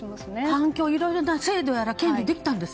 環境、いろいろな制度や権利ができたんです。